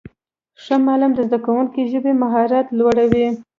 ښه معلم د زدهکوونکو ژبنی مهارت لوړوي.